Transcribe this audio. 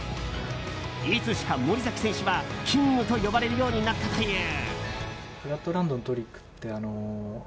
いつしか森崎選手はキングと呼ばれるようになったという。